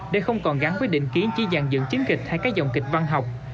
để không còn gắn với định kiến chỉ dàn dựng chiến kịch hay các dòng kịch văn học